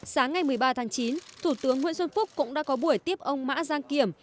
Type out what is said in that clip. sáng ngày một mươi ba tháng chín thủ tướng nguyễn xuân phúc cũng đã có buổi tiếp ông mã giang kiểm